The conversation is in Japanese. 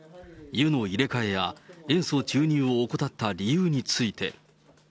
湯の入れ替えや塩素注入を怠った理由について。